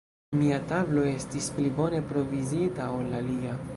Mia tablo estis pli bone provizita ol la lia.